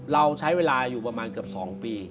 เราใช้เวลาอยู่ประมาณเกือบ๒ปี